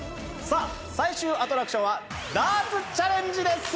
さあ最終アトラクションはダーツチャレンジです！